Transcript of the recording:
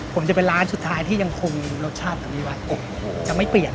ผมจะเป็นร้านสุดท้ายที่ยังคงรสชาติแบบนี้ไว้ผมจะไม่เปลี่ยน